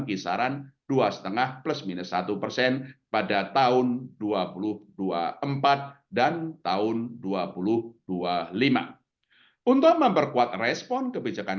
kisaran dua lima plus minus satu persen pada tahun dua ribu dua puluh empat dan tahun dua ribu dua puluh lima untuk memperkuat respon kebijakan